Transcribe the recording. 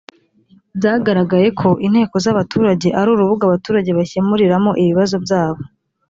byagaragaye ko inteko z abaturage ari urubuga abaturage bakemuriramo ibibazo byabo